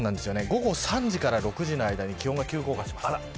午後３時から６時の間に気温が急降下します。